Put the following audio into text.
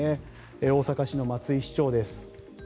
大阪市の松井市長です。